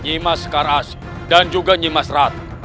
nyimas karas dan juga nyimas ratu